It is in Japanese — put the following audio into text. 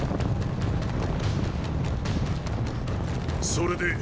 それで！